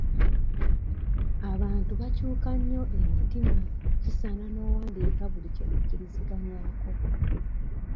Abantu bakyuka nnyo emitima kisaaana n'owandiika buli kye mukkiriziganyaako.